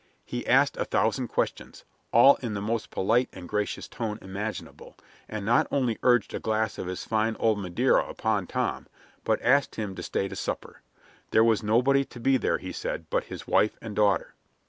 He asked a thousand questions, all in the most polite and gracious tone imaginable, and not only urged a glass of his fine old Madeira upon Tom, but asked him to stay to supper. There was nobody to be there, he said, but his wife and daughter.